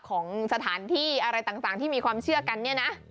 ของสถานที่อะไรต่างที่มีความเชื่อกันเนี่ยนะ